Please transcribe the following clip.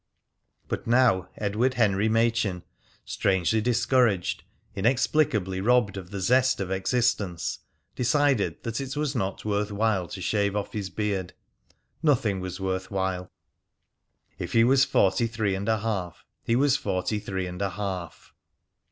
But now Edward Henry Machin, strangely discouraged, inexplicably robbed of the zest of existence, decided that it was not worth while to shave off his beard. Nothing was worth while. If he was forty three and a half, he was forty three and a half.